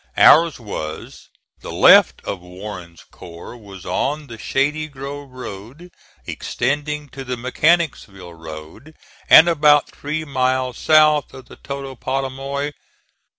Ours was: The left of Warren's corps was on the Shady Grove Road, extending to the Mechanicsville Road and about three miles south of the Totopotomoy.